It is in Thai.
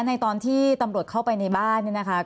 ในตอนที่ตำรวจเข้าไปในบ้าน